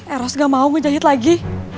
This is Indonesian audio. eh ros gak mau ngejahit lagi